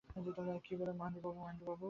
কী বলেন মহেন্দ্রবাবু।